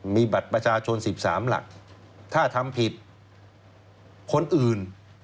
มีบัตรประชาชน๑๓หลักถ้าทำผิดคนอื่น